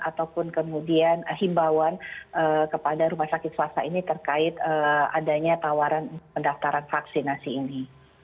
ataupun kemudian himbauan kepada rumah sakit swasta ini terkait adanya tawaran pendaftaran vaksinasi ini